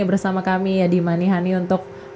bersama kami di manihani untuk